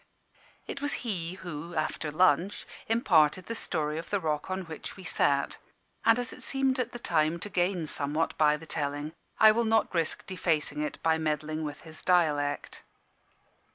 It was he who, after lunch, imparted the story of the rock on which we sat; and as it seemed at the time to gain somewhat by the telling, I will not risk defacing it by meddling with his dialect.